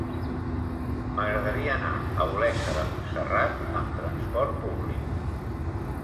M'agradaria anar a Olesa de Montserrat amb trasport públic.